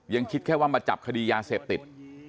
ยังคิดแค่ว่ามาจับคดียาเสพติด